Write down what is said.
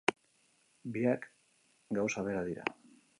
Biak gauza bera dira.